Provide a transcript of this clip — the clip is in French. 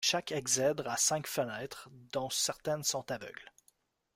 Chaque exèdre a cinq fenêtres, dont certaines sont aveugles.